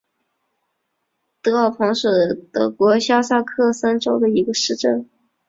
德尔彭是德国下萨克森州的一个市镇。